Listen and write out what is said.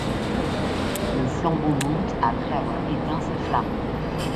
Le flambeau monte après avoir éteint sa flamme ;